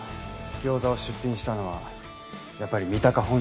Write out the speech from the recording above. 餃子を出品したのはやっぱり三鷹本人です。